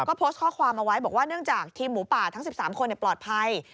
ก็โพสต์ข้อความเอาไว้บอกว่าเนื่องจากทีมหมูป่าทั้ง๑๓คนปลอดภัย